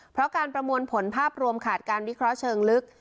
เพราะการประมวลผลภาพรวมขาดการวิเคราะห์เชิงลึก